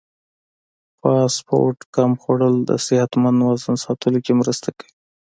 فاسټ فوډ کم خوړل د صحتمند وزن ساتلو کې مرسته کوي.